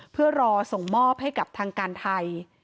เพื่อรอส่งมอบให้กับทางการไทย